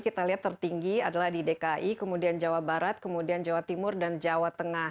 kita lihat tertinggi adalah di dki kemudian jawa barat kemudian jawa timur dan jawa tengah